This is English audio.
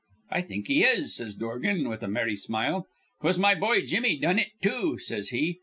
'I think he is,' says Dorgan, with a merry smile. 'Twas my boy Jimmy done it, too,' says he.